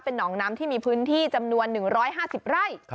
หนองน้ำที่มีพื้นที่จำนวน๑๕๐ไร่